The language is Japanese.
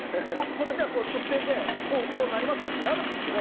こっちは直線でこうなりますよってなるんですけど。